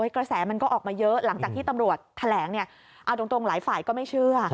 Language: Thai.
กระแสมันก็ออกมาเยอะหลังจากที่ตำรวจแถลงเนี่ยเอาตรงหลายฝ่ายก็ไม่เชื่อ